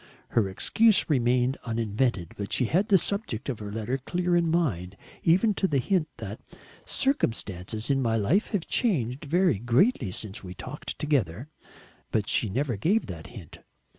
Her excuse remained uninvented, but she had the subject of her letter clear in her mind, even to the hint that "circumstances in my life have changed very greatly since we talked together." But she never gave that hint.